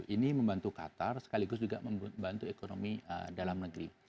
ini membantu qatar sekaligus juga membantu ekonomi dalam negeri